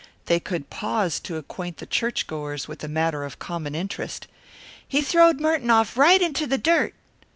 They could pause to acquaint the churchgoers with a matter of common interest. "He throwed Merton off right into the dirt."